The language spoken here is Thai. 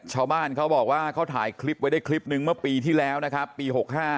ชาวบ้านเขาบอกว่าเขาถ่ายคลิปไว้ได้คลิปนึงเมื่อปีที่แล้วนะครับปี๖๕